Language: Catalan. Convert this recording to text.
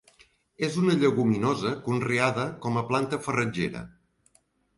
És una lleguminosa conreada com a planta farratgera.